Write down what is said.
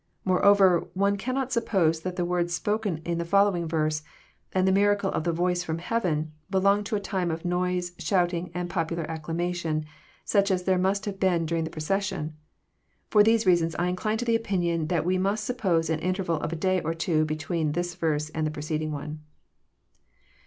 Moreover, one cannot suppose that the words spoken in the following verse, and the miracle of the voice from heaven, belong to a time of noise, shouting, and popu lar acclamation, such as there must have been during the pro cession. For these reasons I incline to the opinion that we must suppose an interval of a. day or two between this verse and the preceding one.